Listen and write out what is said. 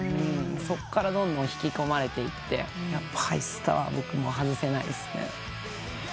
そっからどんどん引き込まれていってやっぱハイスタは僕も外せないですね。